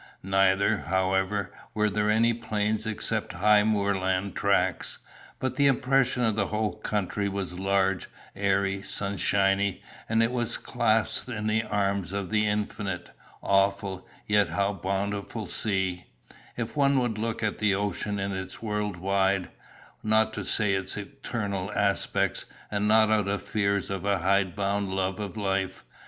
Neither, however, were there any plains except high moorland tracts. But the impression of the whole country was large, airy, sunshiny, and it was clasped in the arms of the infinite, awful, yet how bountiful sea if one will look at the ocean in its world wide, not to say its eternal aspects, and not out of the fears of a hidebound love of life!